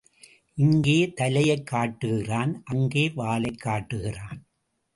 இங்கே தலையைக் காட்டுகிறான் அங்கே வாலைக் காட்டுகிறான்.